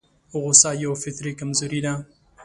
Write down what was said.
غوسه يوه فطري کمزوري ده.